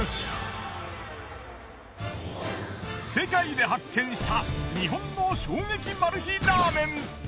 世界で発見した日本の衝撃マル秘ラーメン。